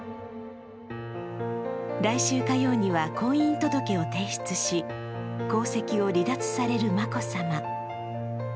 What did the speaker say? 来週火曜には婚姻届を提出し、皇籍を離脱される眞子さま。